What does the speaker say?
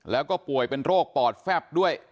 แล้วก็ป่วยเป็นโรคปอดแฟบด้วย